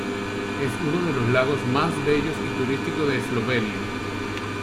Es uno de los lagos más bellos y turísticos de Eslovenia.